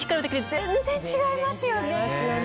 全然違いますよね。